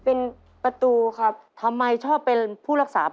ออโต้ชอบเตะฟุตบอลเหรอครับ